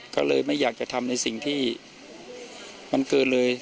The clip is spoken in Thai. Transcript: ก็เลยไม่อยากจะทำในสิ่งที่มันเกินเลย